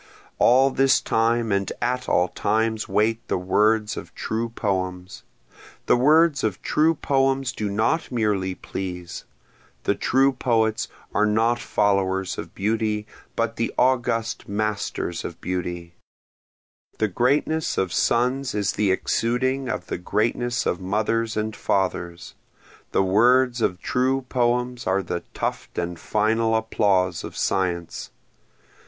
All this time and at all times wait the words of true poems, The words of true poems do not merely please, The true poets are not followers of beauty but the august masters of beauty; The greatness of sons is the exuding of the greatness of mothers and fathers, The words of true poems are the tuft and final applause of science.